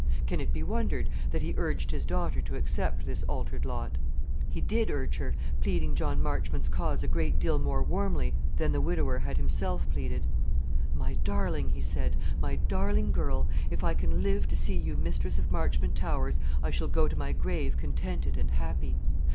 Can it be wondered that he urged his daughter to accept this altered lot? He did urge her, pleading John Marchmont's cause a great deal more warmly than the widower had himself pleaded. "My darling," he said, "my darling girl! if I can live to see you mistress of Marchmont Towers, I shall go to my grave contented and happy.